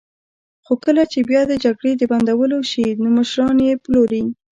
خو کله چې بیا د جګړې د بندولو شي، نو مشران یې پلوري.